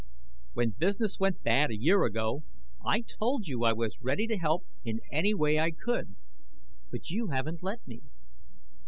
When business went bad a year ago, I told you I was ready to help in any way I could. But you haven't let me.